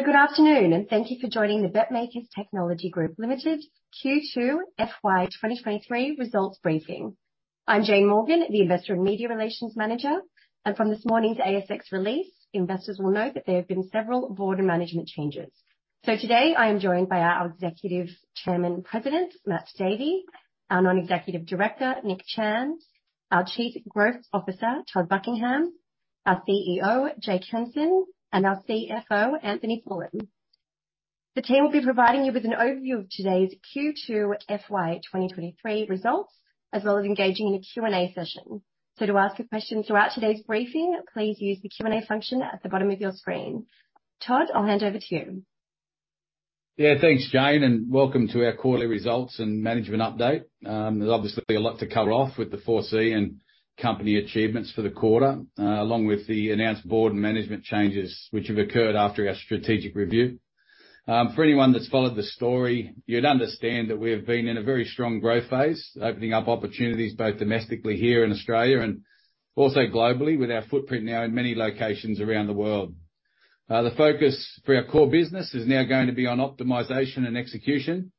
Good afternoon, and thank you for joining the BetMakers Technology Group Ltd Q2 FY2023 results briefing. I'm Jane Morgan, the Investor and Media Relations Manager. From this morning's ASX release, investors will note that there have been several board and management changes. Today, I am joined by our Executive Chairman and President, Matt Davey, our Non-Executive Director, Nick Chan, our Chief Growth Officer, Todd Buckingham, our CEO, Jake Henson, and our CFO, Anthony Pullin. The team will be providing you with an overview of today's Q2 FY2023 results, as well as engaging in a Q&A session. To ask a question throughout today's briefing, please use the Q&A function at the bottom of your screen. Todd, I'll hand over to you. Thanks, Jane. Welcome to our quarterly results and management update. There's obviously a lot to cover off with the Appendix 4C and company achievements for the quarter, along with the announced board and management changes which have occurred after our strategic review. For anyone that's followed the story, you'd understand that we have been in a very strong growth phase, opening up opportunities both domestically here in Australia and also globally with our footprint now in many locations around the world. The focus for our core business is now going to be on optimization and execution,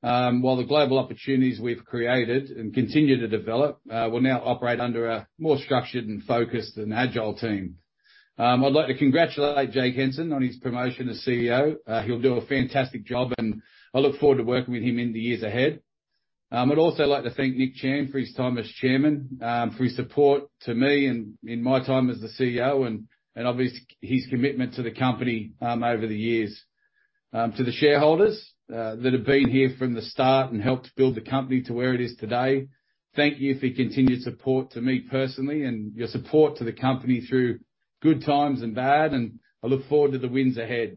while the global opportunities we've created and continue to develop, will now operate under a more structured and focused and agile team. I'd like to congratulate Jake Henson on his promotion to CEO. He'll do a fantastic job, and I look forward to working with him in the years ahead. I'd also like to thank Nick Chan for his time as chairman, for his support to me and in my time as the CEO and obviously his commitment to the company over the years. To the shareholders that have been here from the start and helped build the company to where it is today, thank you for your continued support to me personally and your support to the company through good times and bad, and I look forward to the wins ahead.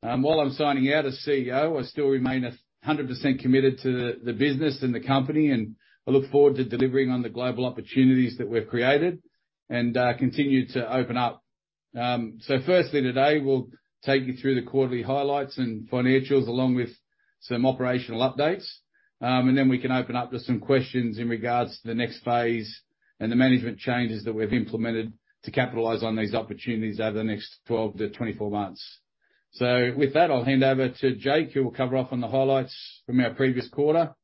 While I'm signing out as CEO, I still remain a 100% committed to the business and the company, and I look forward to delivering on the global opportunities that we've created and continue to open up. Firstly today, we'll take you through the quarterly highlights and financials, along with some operational updates. Then we can open up to some questions in regards to the next phase and the management changes that we've implemented to capitalize on these opportunities over the next 12-24 months. With that, I'll hand over to Jake, who will cover off on the highlights from our previous quarter.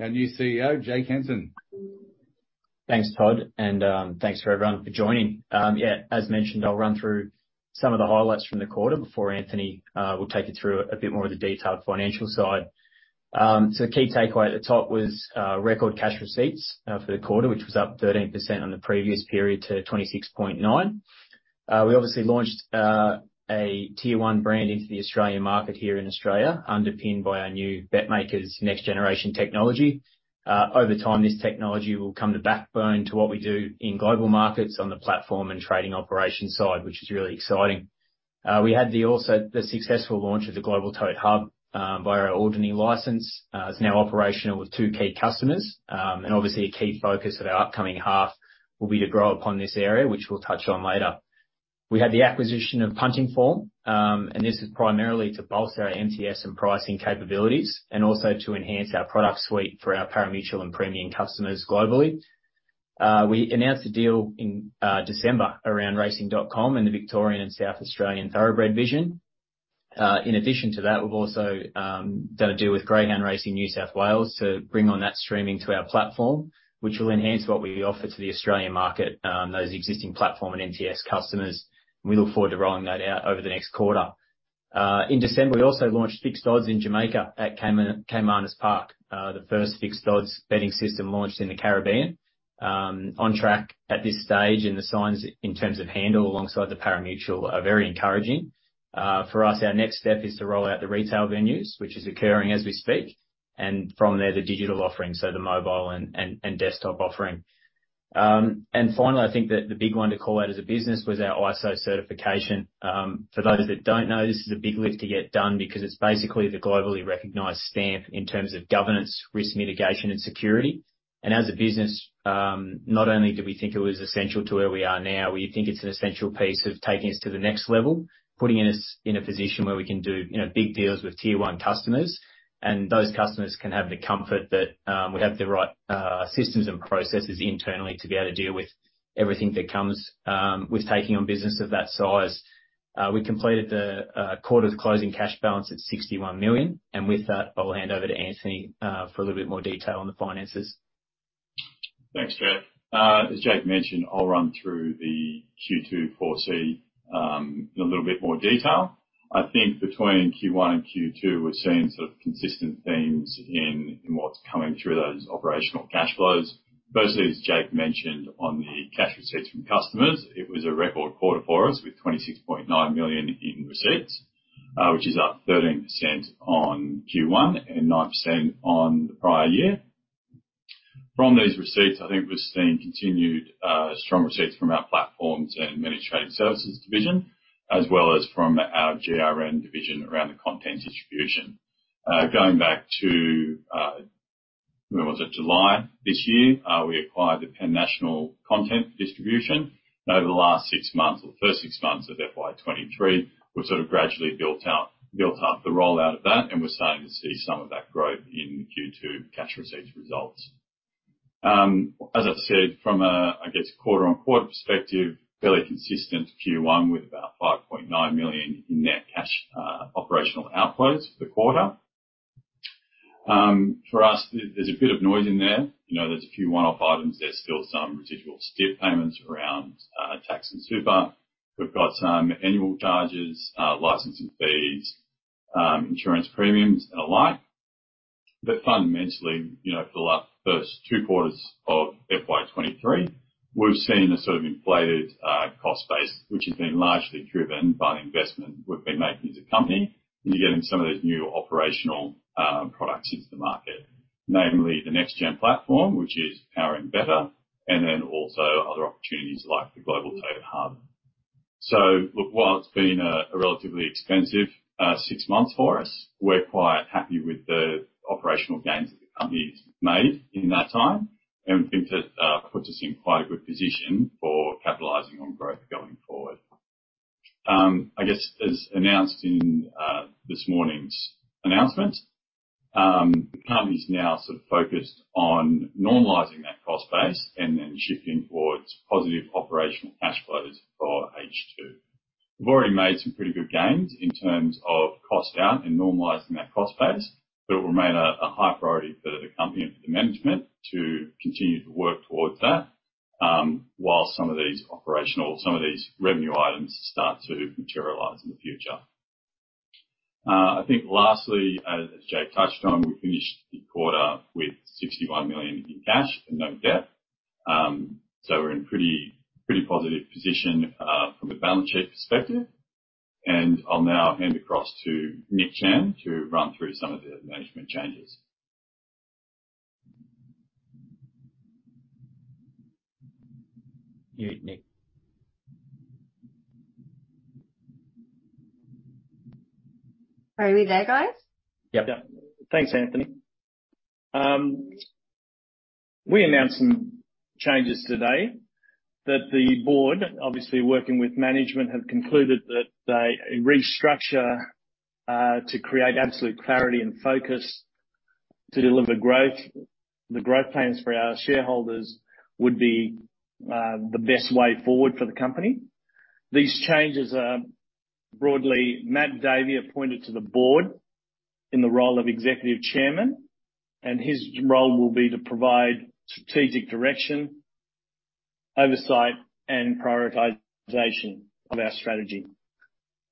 Our new CEO, Jake Henson. Thanks, Todd, and thanks for everyone for joining. Yeah, as mentioned, I'll run through some of the highlights from the quarter before Anthony Pullin will take you through a bit more of the detailed financial side. Key takeaway at the top was record cash receipts for the quarter, which was up 13% on the previous period to 26.9. We obviously launched a tier one brand into the Australian market here in Australia, underpinned by our new BetMakers' next generation technology. Over time, this technology will become the backbone to what we do in global markets on the platform and trading operations side, which is really exciting. We had the also, the successful launch of the Global Tote Hub via our Alderney license. It's now operational with two key customers. Obviously a key focus of our upcoming half will be to grow upon this area, which we'll touch on later. We had the acquisition of Punting Form, this is primarily to bolster our MTS and pricing capabilities and also to enhance our product suite for our parimutuel and premium customers globally. We announced the deal in December around Racing.com and the Victorian and South Australian Thoroughbred Vision. In addition to that, we've also done a deal with Greyhound Racing New South Wales to bring on that streaming to our platform, which will enhance what we offer to the Australian market, those existing platform and MTS customers. We look forward to rolling that out over the next quarter. In December, we also launched Fixed Odds in Jamaica at Caymanas Park, the first Fixed Odds betting system launched in the Caribbean. On track at this stage, and the signs in terms of handle alongside the parimutuel are very encouraging. For us, our next step is to roll out the retail venues, which is occurring as we speak. From there, the digital offering, so the mobile and desktop offering. Finally, the big one to call out as a business was our ISO certification. For those that don't know, this is a big lift to get done because it's basically the globally recognized stamp in terms of governance, risk mitigation, and security. As a business, not only do we think it was essential to where we are now, we think it's an essential piece of taking us to the next level, putting us in a position where we can do, big deals with tier one customers. Those customers can have the comfort that we have the right systems and processes internally to be able to deal with everything that comes with taking on business of that size. We completed the quarter's closing cash balance at 61 million. With that, I'll hand over to Anthony for a little bit more detail on the finances. Thanks, Jake. As Jake mentioned, I'll run through the Q2 Appendix 4C, in a little bit more detail. I think between Q1 and Q2, we're seeing sort of consistent themes in what's coming through those operational cash flows. As Jake mentioned on the cash receipts from customers, it was a record quarter for us with 26.9 million in receipts, which is up 13% on Q1 and 9% on the prior year. From these receipts, we're seeing continued strong receipts from our platforms and Managed Trading Services division, as well as from our GRN division around the content distribution. Going back to, when was it? July this year, we acquired the PENN Entertainment content distribution. Over the last 6 months or the first 6 months of FY 2023, we've sort of gradually built out, built up the rollout of that, and we're starting to see some of that growth in Q2 cash receipts results. As I said, from a quarter-on-quarter perspective, fairly consistent Q1 with about 5.9 million in net cash, operational outflows for the quarter. For us, there's a bit of noise in there. You know, there's a few one-off items. There's still some residual STIP payments around, tax and super. We've got some annual charges, licensing fees, insurance premiums and alike. Fundamentally, for the last first two quarters of FY2023, we've seen a sort of inflated cost base, which has been largely driven by the investment we've been making as a company into getting some of these new operational products into the market. Namely, the Next Gen platform, which is powering betr, and then also other opportunities like the Global Tote Hub. Look, while it's been a relatively expensive six months for us, we're quite happy with the operational gains that the company's made in that time. We think that puts us in quite a good position for capitalizing on growth going forward. I guess as announced in this morning's announcement, the company's now sort of focused on normalizing that cost base and then shifting towards positive operational cash flows for H2. We've already made some pretty good gains in terms of cost down and normalizing that cost base. It will remain a high priority for the company and for the management to continue to work towards that, while some of these operational, some of these revenue items start to materialize in the future. I think lastly, as Jake touched on, we finished the quarter with 61 million in cash and no debt. We're in pretty positive position from a balance sheet perspective. I'll now hand across to Nick Chan to run through some of the management changes. Here you, Nick. Are you there, guys? Yep. Yep. Thanks, Anthony. We announced some changes today that the board, obviously working with management, have concluded that a restructure to create absolute clarity and focus to deliver growth, the growth plans for our shareholders would be the best way forward for the company. These changes are broadly Matt Davey appointed to the board in the role of Executive Chairman. His role will be to provide strategic direction, oversight and prioritization of our strategy.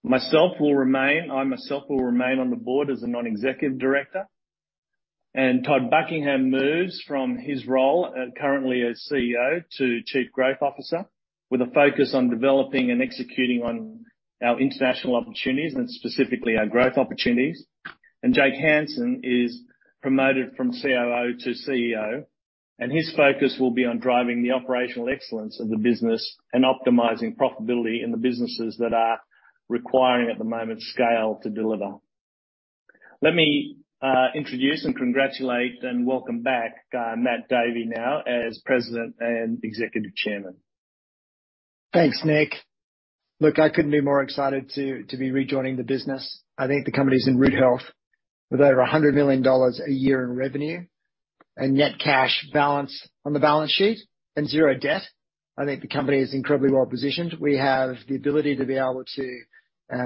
I myself will remain on the board as a Non-Executive Director. Todd Buckingham moves from his role currently as CEO to Chief Growth Officer, with a focus on developing and executing on his international opportunities and specifically our growth opportunities. Jake Henson is promoted from COO to CEO, and his focus will be on driving the operational excellence of the business and optimizing profitability in the businesses that are requiring, at the moment, scale to deliver. Let me introduce and congratulate and welcome back, Matt Davey, now as President and Executive Chairman. Thanks, Nick. Look, I couldn't be more excited to be rejoining the business. The company's in good health with over 100 million dollars a year in revenue and net cash balance on the balance sheet and 0 debt. I think the company is incredibly well positioned. We have the ability to be able to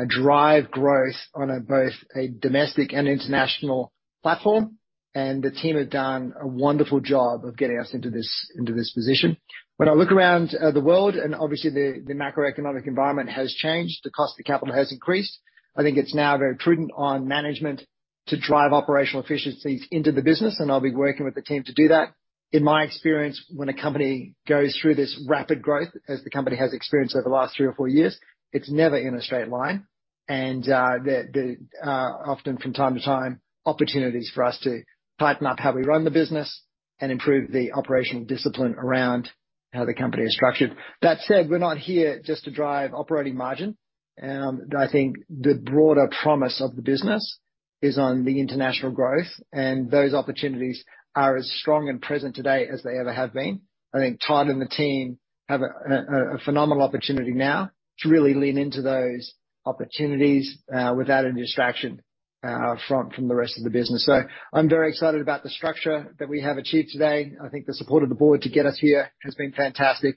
drive growth on a, both a domestic and international platform, and the team have done a wonderful job of getting us into this, into this position. When I look around the world, and obviously the macroeconomic environment has changed, the cost of capital has increased. It's now very prudent on management to drive operational efficiencies into the business, and I'll be working with the team to do that. In my experience, when a company goes through this rapid growth, as the company has experienced over the last three or four years, it's never in a straight line. There are often from time to time, opportunities for us to tighten up how we run the business and improve the operational discipline around how the company is structured. That said, we're not here just to drive operating margin. I think the broader promise of the business is on the international growth, and those opportunities are as strong and present today as they ever have been. I think Todd and the team have a phenomenal opportunity now to really lean into those opportunities without any distraction from the rest of the business. I'm very excited about the structure that we have achieved today. The support of the board to get us here has been fantastic,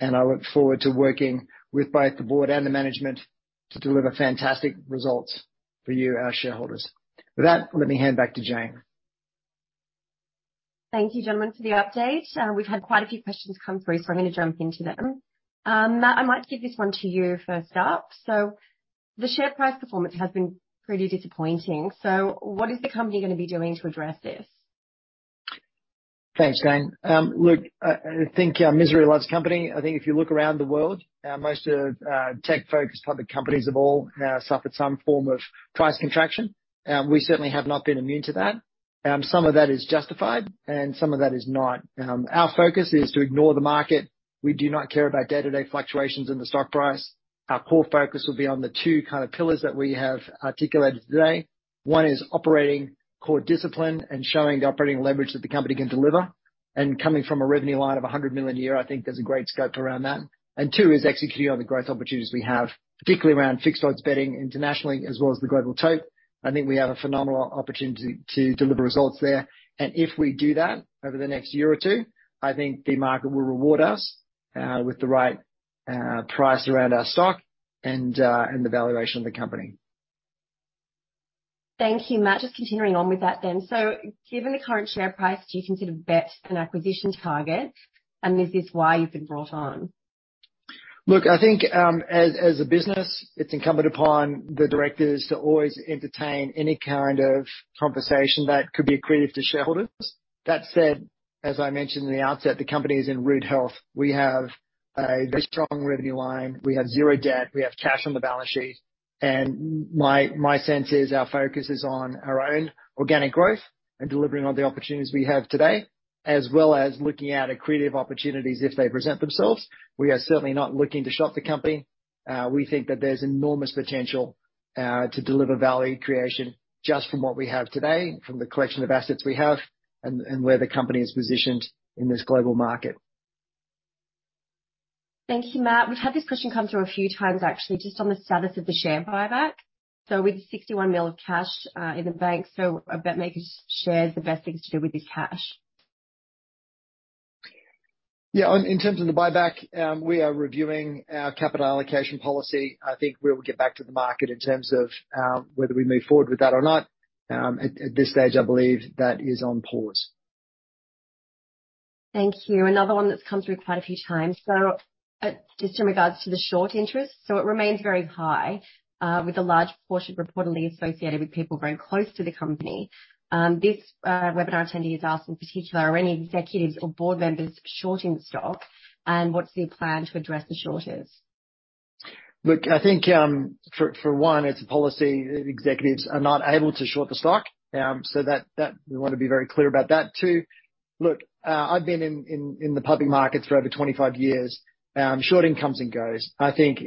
and I look forward to working with both the board and the management to deliver fantastic results for you, our shareholders. With that, let me hand back to Jane. Thank you, gentlemen, for the update. We've had quite a few questions come through, so I'm gonna jump into them. Matt, I might give this one to you first up. The share price performance has been pretty disappointing. What is the company gonna be doing to address this? Thanks, Jane. Look, I think misery loves company. I think if you look around the world, most of tech-focused public companies have all suffered some form of price contraction. We certainly have not been immune to that. Some of that is justified and some of that is not. Our focus is to ignore the market. We do not care about day-to-day fluctuations in the stock price. Our core focus will be on the 2 kind of pillars that we have articulated today. 1 is operating core discipline and showing the operating leverage that the company can deliver. Coming from a revenue line of 100 million a year, I think there's a great scope around that. Two is executing on the growth opportunities we have, particularly around Fixed Odds betting internationally as well as the Global Tote. I think we have a phenomenal opportunity to deliver results there. If we do that over the next year or two the market will reward us with the right price around our stock and the valuation of the company. Thank you, Matt. Just continuing on with that then. Given the current share price, do you consider BetMakers and acquisition targets, and is this why you've been brought on? Look, as a business, it's incumbent upon the directors to always entertain any kind of conversation that could be accretive to shareholders. That said, as I mentioned in the outset, the company is in root health. We have a very strong revenue line, we have zero debt, we have cash on the balance sheet. My sense is our focus is on our own organic growth and delivering on the opportunities we have today, as well as looking at accretive opportunities if they present themselves. We are certainly not looking to shop the company. We think that there's enormous potential to deliver value creation just from what we have today, from the collection of assets we have, and where the company is positioned in this global market. Thank you, Matt. We've had this question come through a few times, actually, just on the status of the share buyback. With 61 million of cash in the bank, are BetMakers shares the best things to do with this cash? In terms of the buyback, we are reviewing our capital allocation policy. I think we'll get back to the market in terms of, whether we move forward with that or not. At this stage, I believe that is on pause. Thank you. Another one that's come through quite a few times. Just in regards to the short interest, it remains very high with a large portion reportedly associated with people very close to the company. This webinar attendee has asked in particular, "Are any executives or board members shorting stock? And what's your plan to address the shorters? Look, for one, it's a policy that executives are not able to short the stock. That we wanna be very clear about that. Two, look, I've been in the public markets for over 25 years. Shorting comes and goes.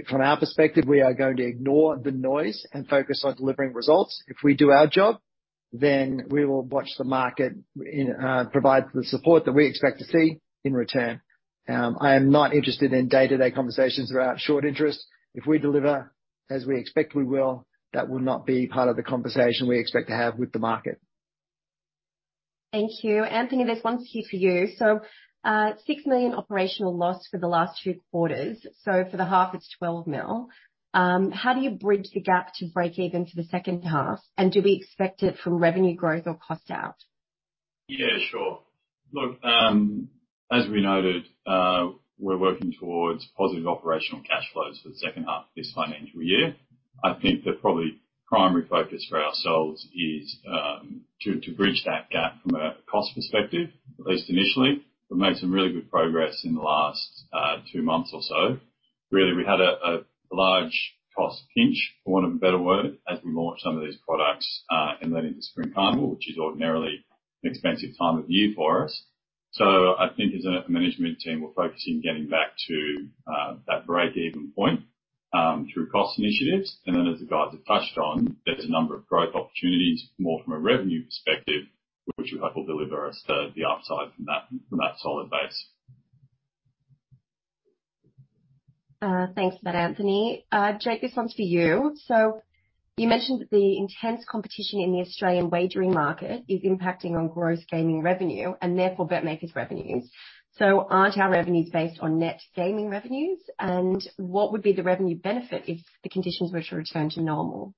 From our perspective, we are going to ignore the noise and focus on delivering results. If we do our job, then we will watch the market provide the support that we expect to see in return. I am not interested in day-to-day conversations around short interest. If we deliver as we expect we will, that will not be part of the conversation we expect to have with the market. Thank you. Anthony, this one's here for you. 6 million operational loss for the last few quarters. For the half, it's 12 million. How do you bridge the gap to breakeven for the second half? Do we expect it from revenue growth or cost out? Yeah, sure. Look, as we noted, we're working towards positive operational cash flows for the second half of this financial year. I think that probably primary focus for ourselves is to bridge that gap from a cost perspective, at least initially. We've made some really good progress in the last two months or so. Really, we had a large cost pinch, for want of a better word, as we launched some of these products, and then into Spring Racing Carnival, which is ordinarily an expensive time of year for us. I think as a management team, we're focusing on getting back to that breakeven point through cost initiatives. As the guys have touched on, there's a number of growth opportunities more from a revenue perspective, which we hope will deliver us the upside from that, from that solid base. Thanks for that, Anthony. Jake, this one's for you. You mentioned that the intense competition in the Australian wagering market is impacting on Gross Gaming Revenue and therefore BetMakers revenues. Aren't our revenues based on Net Gaming Revenue? What would be the revenue benefit if the conditions were to return to normal?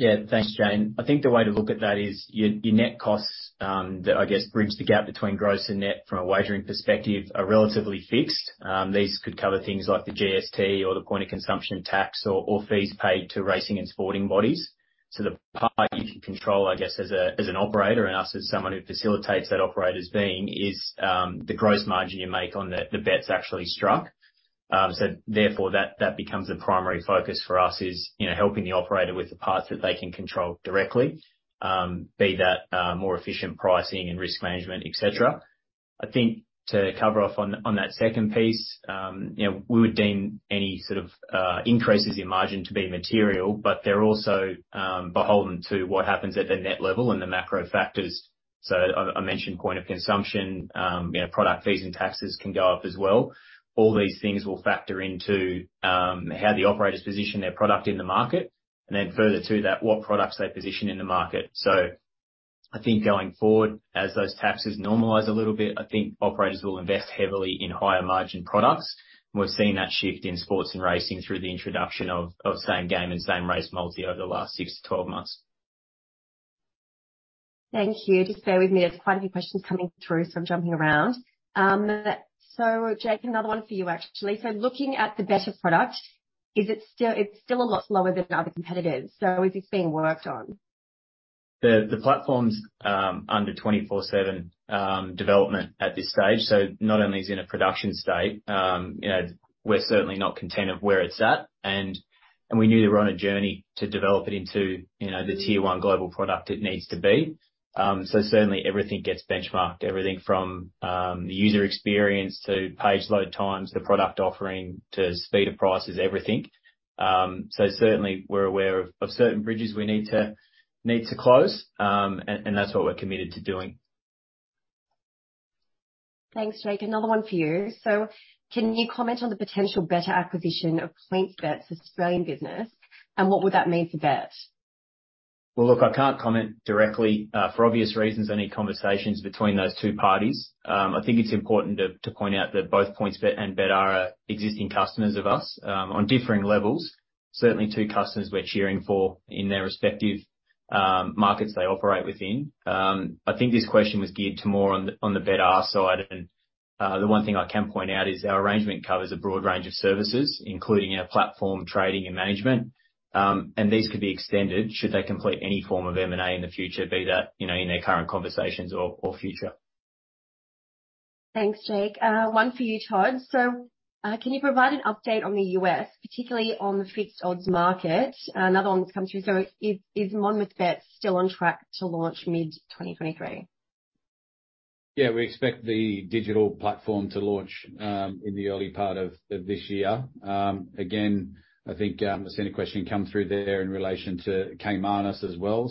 Yeah. Thanks, Jane. I think the way to look at that is your net costs, that I guess bridge the gap between gross and net from a wagering perspective, are relatively fixed. These could cover things like the GST or the point of consumption tax or fees paid to racing and sporting bodies. The part you can control, I guess, as a, as an operator, and us as someone who facilitates that operator's being, is, the gross margin you make on the bets actually struck. Therefore, that becomes a primary focus for us, is, you know, helping the operator with the parts that they can control directly, be that, more efficient pricing and risk management, et cetera. I think to cover off on that second piece we would deem any sort of increases in margin to be material, but they're also beholden to what happens at the net level and the macro factors. I mentioned point of consumption, you know, product fees and taxes can go up as well. All these things will factor into how the operators position their product in the market, and then further to that, what products they position in the market. I think going forward, as those taxes normalize a little bit, I think operators will invest heavily in higher margin products. We're seeing that shift in sports and racing through the introduction of Same Game and Same Race Multi over the last 6-12 months. Thank you. Just bear with me. There's quite a few questions coming through, so I'm jumping around. Jake, another one for you actually. Looking at the betr product, it's sti ll a lot lower than other competitors. Is this being worked on? The platform's under 24/7 development at this stage, so not only is it in a production state, you know, we're certainly not content of where it's at. We knew we were on a journey to develop it into, you know, the tier 1 global product it needs to be. Certainly everything gets benchmarked. Everything from the user experience to page load times, the product offering, to speed of prices, everything. Certainly we're aware of certain bridges we need to close. That's what we're committed to doing. Thanks, Jake. Another one for you. Can you comment on the potential betr acquisition of PointsBet's Australian business, and what would that mean for BetMakers? Look, I can't comment directly, for obvious reasons, any conversations between those two parties. I think it's important to point out that both PointsBet and betr are existing customers of us, on differing levels. Certainly, two customers we're cheering for in their respective markets they operate within. I think this question was geared to more on the betr side and the one thing I can point out is our arrangement covers a broad range of services, including our platform trading and management. These could be extended should they complete any form of M&A in the future, be that, you know, in their current conversations or future. Thanks, Jake. One for you, Todd. Can you provide an update on the U.S., particularly on the Fixed Odds market? Another one that's come through. Is MonmouthBets still on track to launch mid-2023? Yeah, we expect the digital platform to launch in the early part of this year. Again, I've seen a question come through there in relation to Caymanas as well.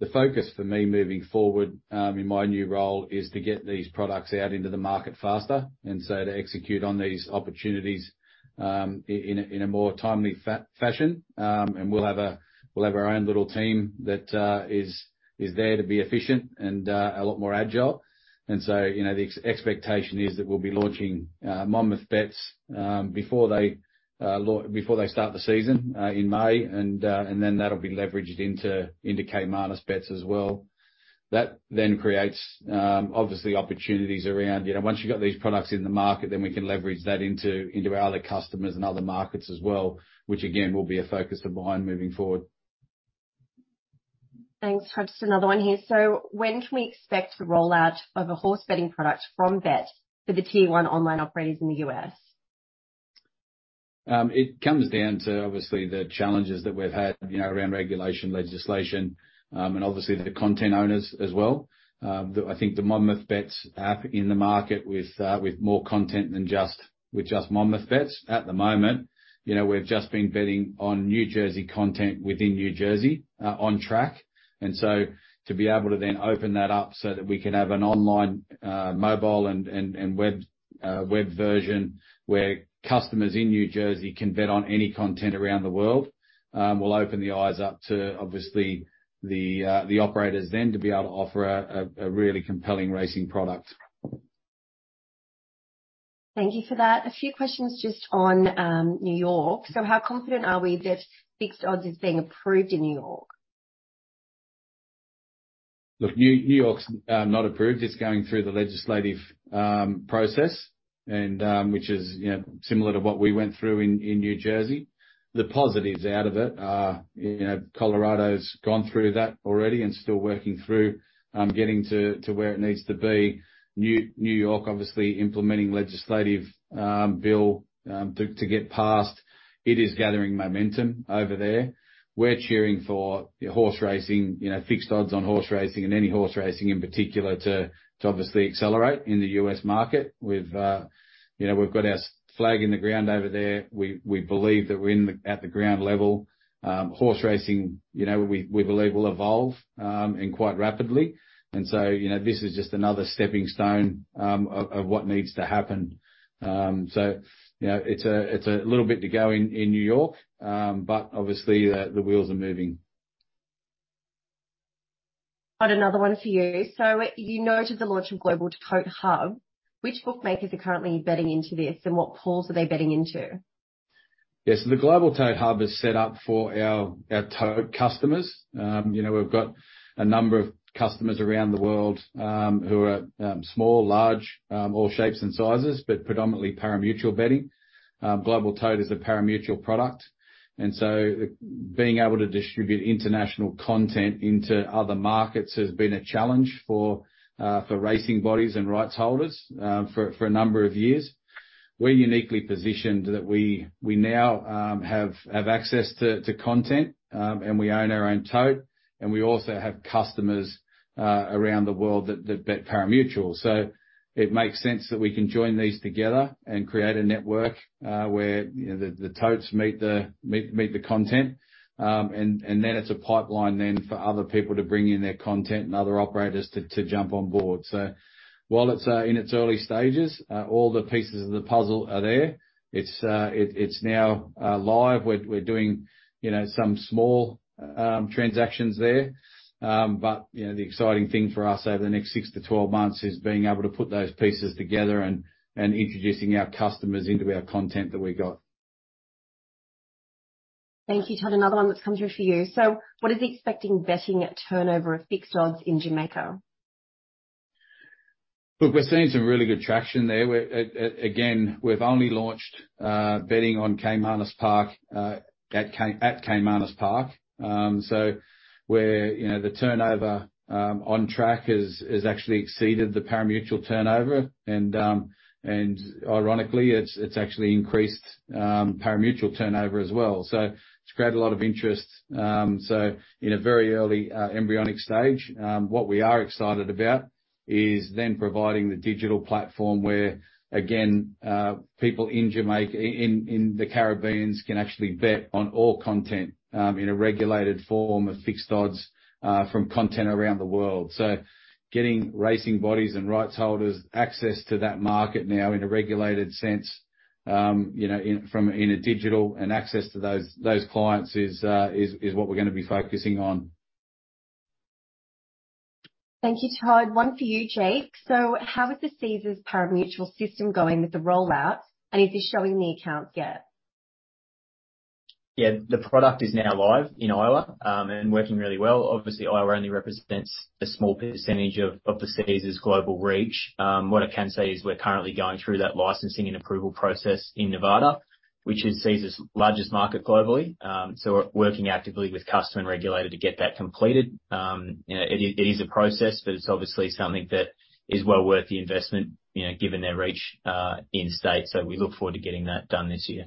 The focus for me moving forward in my new role is to get these products out into the market faster, to execute on these opportunities in a more timely fashion. We'll have our own little team that is there to be efficient and a lot more agile. The expectation is that we'll be launching Monmouth Bets before they before they start the season in May, and then that'll be leveraged into Caymanas Bets as well. That then creates, obviously opportunities around once you've got these products in the market, then we can leverage that into our other customers and other markets as well, which again, will be a focus of mine moving forward. Thanks, Todd. Just another one here. When can we expect the rollout of a horse betting product from betr for the tier one online operators in the U.S.? It comes down to obviously the challenges that we've had, you know, around regulation legislation, and obviously the content owners as well. I think the Monmouth betr app in the market with more content than just Monmouth betr at the momen we've just been betting on New Jersey content within New Jersey on track. To be able to then open that up so that we can have an online, mobile and web version where customers in New Jersey can bet on any content around the world, will open the eyes up to obviously the operators then to be able to offer a really compelling racing product. Thank you for that. A few questions just on, New York. How confident are we that Fixed Odds is being approved in New York? New York's not approved. It's going through the legislative process, which is, you know, similar to what we went through in New Jersey. The positives out of it are, you know, Colorado's gone through that already and still working through getting to where it needs to be. New York obviously implementing legislative bill to get past. It is gathering momentum over there. We're cheering for horse racing, Fixed Odds on horse racing and any horse racing in particular to obviously accelerate in the U.S. market. We'veour flag in the ground over there. We believe that we're at the ground level. Horse racing, we believe will evolve and quite rapidly. This is just another stepping stone, of what needs to happen. It's a, it's a little bit to go in New York, obviously the wheels are moving. Got another one for you. You noted the launch of Global Tote Hub. Which bookmakers are currently betting into this, and what pools are they betting into? The Global Tote Hub is set up for our tote customers. You know, we've got a number of customers around the world who are small, large, all shapes and sizes, but predominantly parimutuel betting. Global Tote is a parimutuel product. Being able to distribute international content into other markets has been a challenge for racing bodies and rights holders for a number of years. We're uniquely positioned that we now have access to content, and we own our own tote, and we also have customers around the world that bet parimutuel. It makes sense that we can join these together and create a network where, you know, the totes meet the content. Then it's a pipeline then for other people to bring in their content and other operators to jump on board. While it's in its early stages, all the pieces of the puzzle are there. It's now live. We're doing, you know, some small transactions there. The exciting thing for us over the next 6-12 months is being able to put those pieces together and introducing our customers into our content that we got. Thank you. Todd, another one that's come through for you. What is the expecting betting turnover of Fixed Odds in Jamaica? Look, we're seeing some really good traction there, where, again, we've only launched betting on Caymanas Park at Caymanas Park. Where, you know, the turnover on track has actually exceeded the parimutuel turnover. Ironically, it's actually increased parimutuel turnover as well. It's created a lot of interest. In a very early, embryonic stage, what we are excited about. Then providing the digital platform where, again, people in Jamaica, in the Caribbeans can actually bet on all content in a regulated form of Fixed Odds from content around the world. Getting racing bodies and rights holders access to that market now in a regulated sense, you know, from in a digital and access to those clients is what we're gonna be focusing on. Thank you, Todd. One for you, Jake. How is the Caesars parimutuel system going with the rollout, and is this showing in the accounts yet? The product is now live in Iowa and working really well. Obviously, Iowa only represents a small percentage of the Caesars global reach. What I can say is we're currently going through that licensing and approval process in Nevada, which is Caesars largest market globally. We're working actively with customer and regulator to get that completed. You know, it is a process, but it's obviously something that is well worth the investment, you know, given their reach in the States. We look forward to getting that done this year.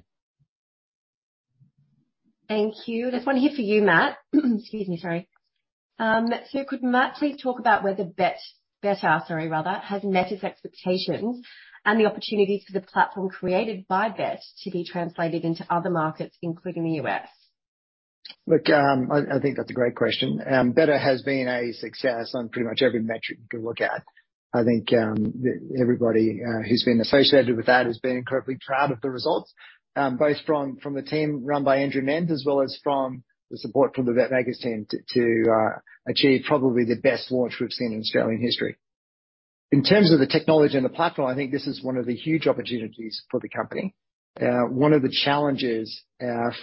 Thank you. There's one here for you, Matt. Excuse me. Sorry. Could Matt please talk about whether betr, sorry, rather, has met his expectations and the opportunity for the platform created by betr to be translated into other markets, including the US. Look, that's a great question. betr has been a success on pretty much every metric you can look at. I think everybody who's been associated with that has been incredibly proud of the results, both from the team run by Andrew Wenham, as well as from the support from the BetMakers team to achieve probably the best launch we've seen in Australian history. In terms of the technology and the platform, I think this is one of the huge opportunities for the company. One of the challenges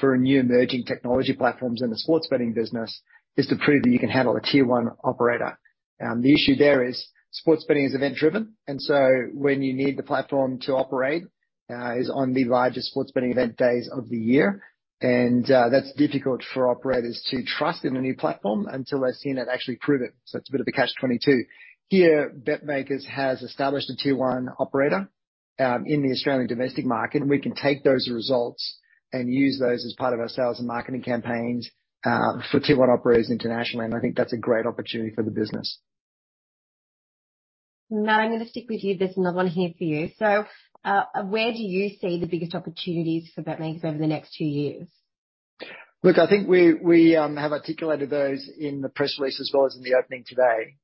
for new emerging technology platforms in the sports betting business is to prove that you can handle a tier one operator. The issue there is sports betting is event driven, when you need the platform to operate, is on the largest sports betting event days of the year. That's difficult for operators to trust in a new platform until they've seen it actually prove it, so it's a bit of a catch-twenty-two. Here, BetrMakers has established a tier one operator, in the Australian domestic market, and we can take those results and use those as part of our sales and marketing campaigns, for tier one operators internationally. I think that's a great opportunity for the business. Matt, I'm gonna stick with you. There's another one here for you. Where do you see the biggest opportunities for BetrMakers over the next 2 years? Look, we have articulated those in the press release as well as in the opening today.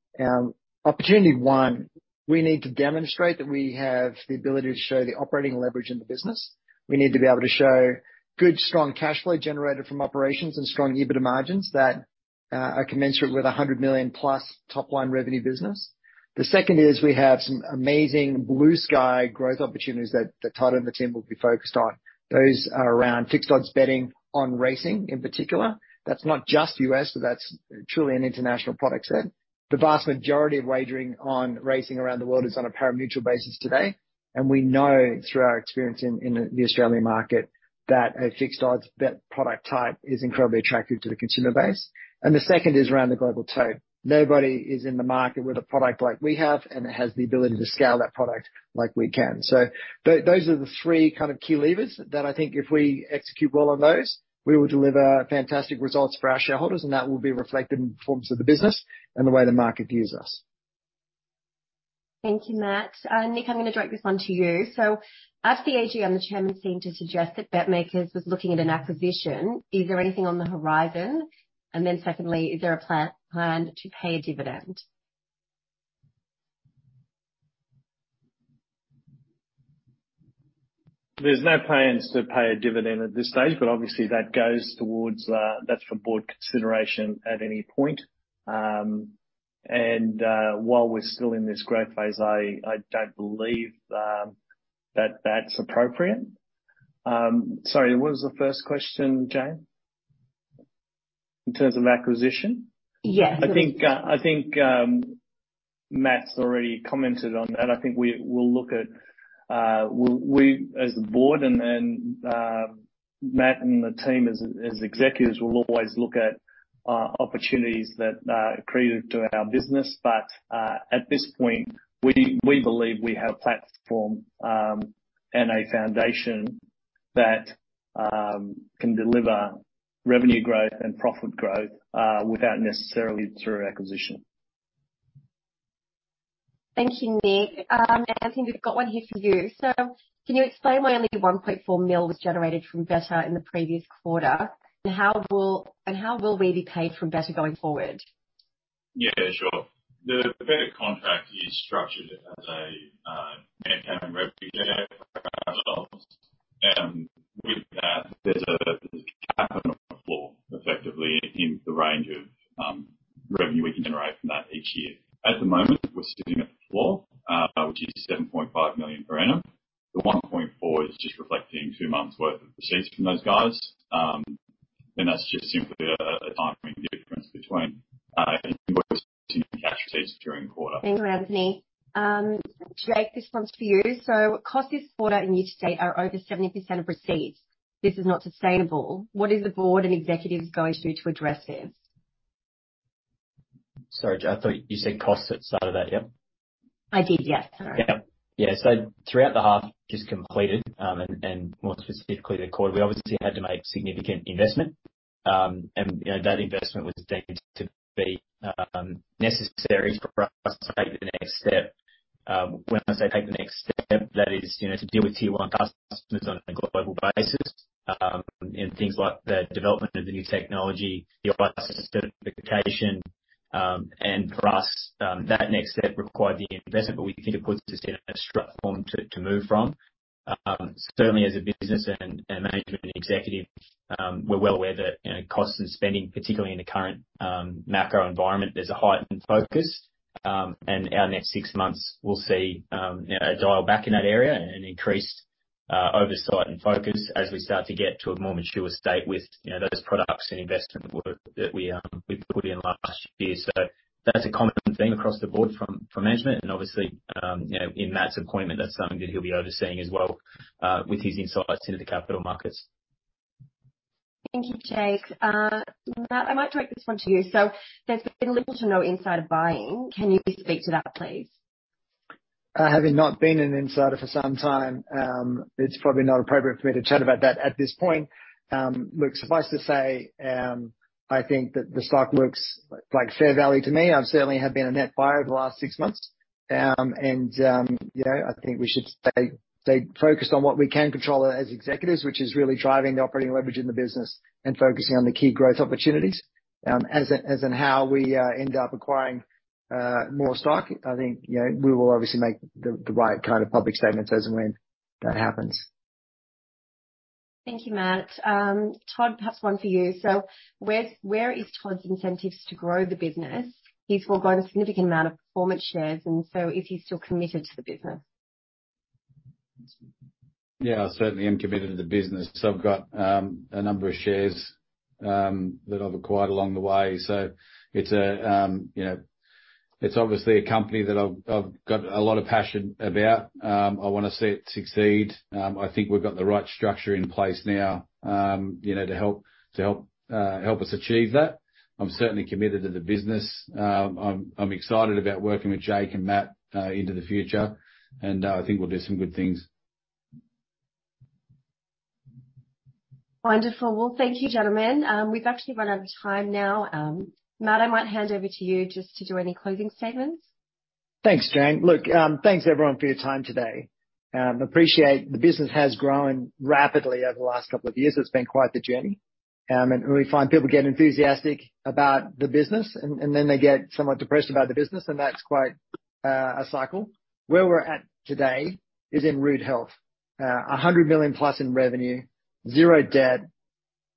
Opportunity one, we need to demonstrate that we have the ability to show the operating leverage in the business. We need to be able to show good, strong cash flow generated from operations and strong EBITDA margins that are commensurate with 100 million-plus top-line revenue business. The second is we have some amazing blue sky growth opportunities that Todd and the team will be focused on. Those are around Fixed Odds betting on racing in particular. That's not just U.S., but that's truly an international product set. The vast majority of wagering on racing around the world is on a pari-mutuel basis today. We know through our experience in the Australian market that a Fixed Odds bet product type is incredibly attractive to the consumer base. The second is around the Global Tote. Nobody is in the market with a product like we have, and that has the ability to scale that product like we can. Those are the three kind of key levers that I think if we execute well on those, we will deliver fantastic results for our shareholders, and that will be reflected in the performance of the business and the way the market views us. Thank you, Matt. Nick, I'm gonna direct this one to you. At the AGM, the chairman seemed to suggest that BetMakers was looking at an acquisition. Is there anything on the horizon? Secondly, is there a plan to pay a dividend? There's no plans to pay a dividend at this stage, but obviously that's for board consideration at any point. While we're still in this growth phase, I don't believe that that's appropriate. Sorry, what was the first question, Jane? In terms of acquisition? Yes. Matt's already commented on that. I think we'll look at, we as a board and Matt and the team as executives will always look at opportunities that are accretive to our business. At this point, we believe we have a platform and a foundation that can deliver revenue growth and profit growth without necessarily through acquisition. Thank you, Nick. Anthony, we've got one here for you. Can you explain why only 1.4 million was generated from betr in the previous quarter, and how will we be paid from betr going forward? Sure. The betr contract is structured as a... Thank you, Anthony.Jake, this one's for you. Costs this quarter in each state are over 70% of receipts. This is not sustainable. What is the board and executives going to do to address this? Sorry, Jane, I thought you said costs at the start of that. Yeah? I did, yes. Sorry. Throughout the half just completed, and more specifically the quarter, we obviously had to make significant investment. That investment was deemed to be necessary for us to take the next step. When I say take the next step, that is, you know, to deal with tier one customers on a global basis, in things like the development of the new technology, the certification. For us, that next step required the investment, but we think it puts us in a strong form to move from. Certainly as a business and management executive, we're well aware that, you know, costs and spending, particularly in the current macro environment, there's a heightened focus. Our next six months will see a dial back in that area and increased oversight and focus as we start to get to a more mature state with, you know, those products and investment work that we put in last year. That's a common theme across the board from management. Obviously, in Matt's appointment, that's something that he'll be overseeing as well, with his insights into the capital markets. Thank you, Jake. Matt, I might throw this one to you. There's been little to no insider buying. Can you just speak to that, please? Having not been an insider for some time, it's probably not appropriate for me to chat about that at this point. Look, suffice to say, I think that the stock looks like fair value to me. I certainly have been a net buyer over the last six months. You know, I think we should stay focused on what we can control as executives, which is really driving the operating leverage in the business and focusing on the key growth opportunities. As in how we end up acquiring more stock. We will obviously make the right kind of public statements as and when that happens. Thank you, Matt. Todd, perhaps one for you. Where is Todd's incentives to grow the business? He's forgone a significant amount of performance shares, is he still committed to the business? Yeah, I certainly am committed to the business. I've got a number of shares that I've acquired along the way. It's a, you know, obviously a company that I've got a lot of passion about. I wanna see it succeed. I think we've got the right structure in place now to help us achieve that. I'm certainly committed to the business. I'm excited about working with Jake and Matt into the future, and I think we'll do some good things. Wonderful. Well, thank you, gentlemen. We've actually run out of time now. Matt, I might hand over to you just to do any closing statements. Thanks, Jane. Look, thanks, everyone, for your time today. Appreciate the business has grown rapidly over the last couple of years. It's been quite the journey. And we find people get enthusiastic about the business, and then they get somewhat depressed about the business, and that's quite a cycle. Where we're at today is in rude health. 100 million-plus in revenue, zero debt,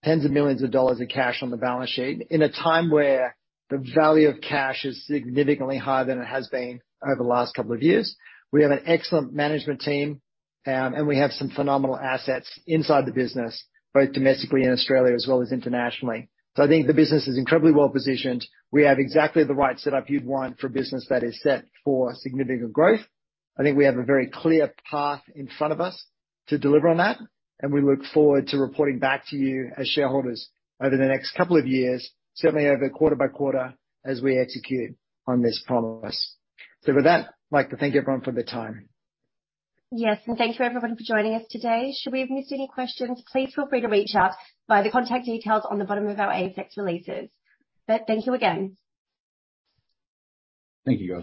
tens of millions of AUD in cash on the balance sheet in a time where the value of cash is significantly higher than it has been over the last couple of years. We have an excellent management team, and we have some phenomenal assets inside the business, both domestically in Australia as well as internationally. I think the business is incredibly well-positioned. We have exactly the right setup you'd want for a business that is set for significant growth. We have a very clear path in front of us to deliver on that. We look forward to reporting back to you as shareholders over the next couple of years, certainly over quarter by quarter, as we execute on this promise. With that, I'd like to thank everyone for their time. Yes, thank you, everyone, for joi`ning us today. Should we have missed any questions, please feel free to reach out by the contact details on the bottom of our ASX releases. Thank you again. Thank you.